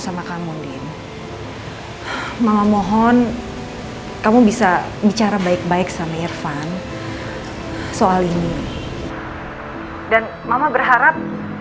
sama kamu din mama mohon kamu bisa bicara baik baik sama irfan soal ini dan mama berharap